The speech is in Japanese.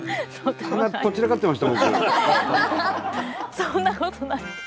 そんなことないです。